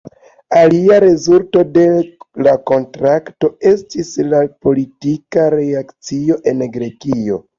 Alia rezulto de la kontrakto estis la politika reakcio en Grekio.